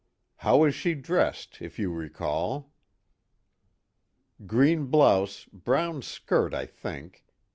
"How was she dressed, if you recall?" "Green blouse, brown skirt I think.